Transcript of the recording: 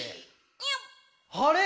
「あれ？